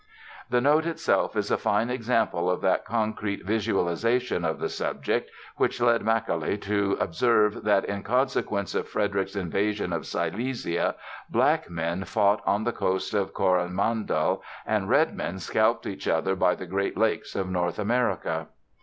The note itself is a fine example of that concrete visualization of the subject which led Macaulay to observe that in consequence of Frederick's invasion of Silesia "black men fought on the coast of Coromandel and red men scalped each other by the Great Lakes of North America."